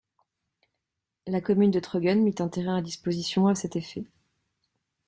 La commune de Trogen mit un terrain à disposition à cet effet.